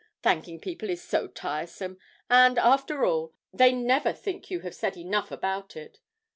Thanking people is so tiresome and, after all, they never think you have said enough about it.